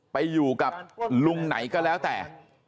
ไปอยู่กับลุงไหนก็แล้วแต่